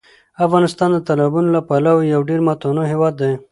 افغانستان د تالابونو له پلوه یو ډېر متنوع هېواد دی.